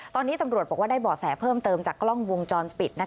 ตอนนี้ตำรวจบอกว่าได้บ่อแสเพิ่มเติมจากกล้องวงจรปิด